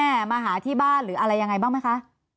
ติดต่อคุณแม่มาหาที่บ้านหรืออะไรยังไงบ้างไหมคะ